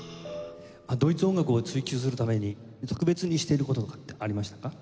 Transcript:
ドイツ音楽を追究するために特別にしている事とかってありましたか？